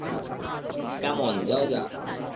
কাম on, যাওয়া যাক!